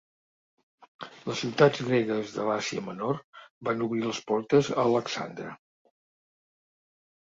Les ciutats gregues de l'Àsia Menor van obrir les portes a Alexandre.